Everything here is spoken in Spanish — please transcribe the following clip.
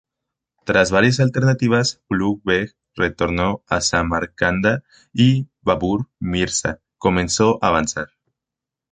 Tras varias alternativas, Ulugh Beg retornó a Samarcanda y Babur Mirza comenzó a avanzar.